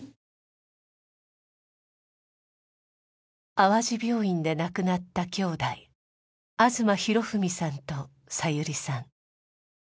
淡路病院で亡くなった兄妹東比呂文さんとさゆりさん。